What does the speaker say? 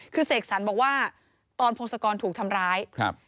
คือเสกสรรบอกว่าตอนพงศกรถูกทำร้ายครับ